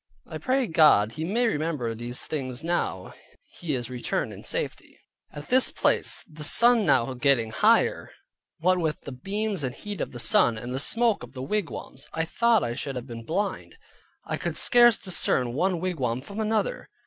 I pray God he may remember these things now he is returned in safety. At this place (the sun now getting higher) what with the beams and heat of the sun, and the smoke of the wigwams, I thought I should have been blind. I could scarce discern one wigwam from another.